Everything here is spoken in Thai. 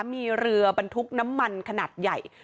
มีเรือบรรทุกน้ำมันขนาดใหญ่